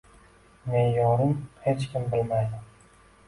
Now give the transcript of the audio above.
Me’yorin hech kim bilmaydi.